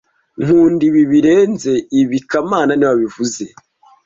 Nkunda ibi birenze ibi kamana niwe wabivuze